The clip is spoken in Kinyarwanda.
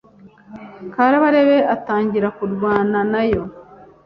Kabarebe atangira kurwana nayo,